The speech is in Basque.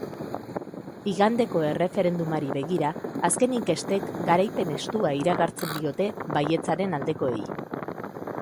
Igandeko erreferendumari begira, azken inkestek garaipen estua iragartzen diote baietzaren aldekoei.